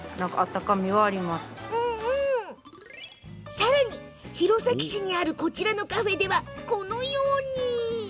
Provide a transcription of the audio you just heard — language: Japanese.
さらに、弘前市にあるこちらのカフェでは、このように。